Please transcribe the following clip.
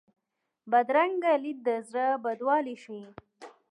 بدرنګه لید د زړه بدوالی ښيي